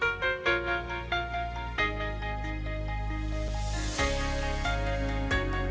anak anak yang berusia tiga belas tahun